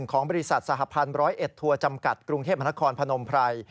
ของบริษัทสหพันธ์๑๐๑ทัวร์จำกัดกรุงเทพมนครพนมไพร